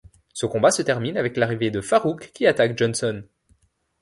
Ce combat se termine avec l'arrivée de Farooq qui attaque Johnson.